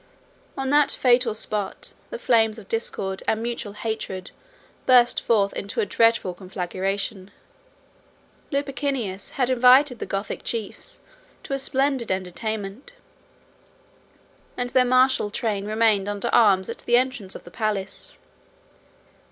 On that fatal spot, the flames of discord and mutual hatred burst forth into a dreadful conflagration. Lupicinus had invited the Gothic chiefs to a splendid entertainment; and their martial train remained under arms at the entrance of the palace.